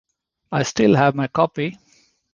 I still have my copy.